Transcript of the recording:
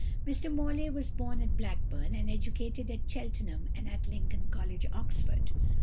Mr Morley was born at Blackburn, and educated at Cheltenham and at Lincoln College, Oxford.